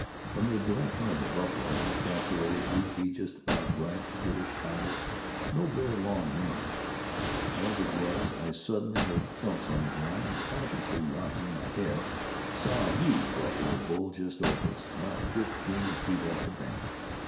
From the direction of the buffalo, I calculated we'd be just about right to get a shot at no very long range. As it was, I suddenly heard thumps on the ground, and cautiously raising my head, saw a huge buffalo bull just over us, not fifteen feet up the bank.